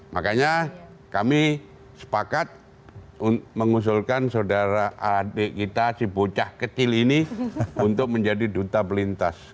makanya kami sepakat mengusulkan saudara adik kita si bocah kecil ini untuk menjadi duta pelintas